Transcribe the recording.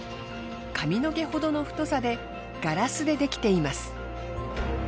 髪の毛ほどの太さでガラスでできています。